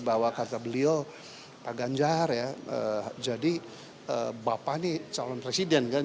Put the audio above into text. bahwa kata beliau pak ganjar ya jadi bapak ini calon presiden kan